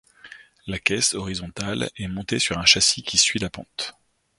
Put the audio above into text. La caisse, horizontale, est montée sur un châssis qui suit la pente.